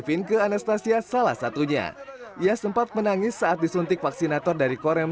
evinke anastasia salah satunya ia sempat menangis saat disuntik vaksinator dari korem satu ratus dua